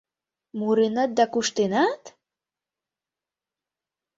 — Муренат да куштенат?!.